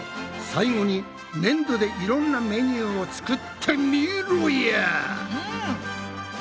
最後にねんどでいろんなメニューを作ってみろや！